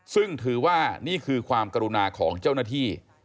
ซึ่งถือว่านี่คือความกรุณาของเจ้าหน้าที่